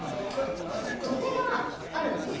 土手があるんですよ。